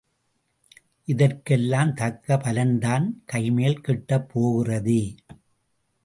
இதற்கெல்லாம் தக்க பலன்தான் கைமேல் கிட்டப் போகிறதே.